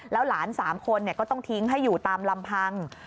หลาน๓คนก็ต้องทิ้งให้อยู่ตามลำพัง